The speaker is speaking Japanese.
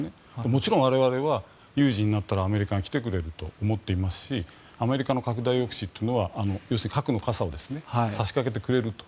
もちろん我々は有事になったらアメリカが来てくれると思っていますしアメリカの拡大抑止というのは要するに核の傘を差しかけてくれると。